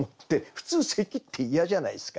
普通咳って嫌じゃないすか。